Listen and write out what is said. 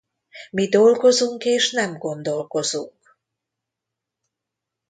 Mi dolgozunk és nem gondolkozunk!